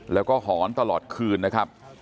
แล้วก็หอนตลอดคืนนะครับ